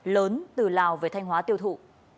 lớn từ lào về thanh hóa tiêu thụ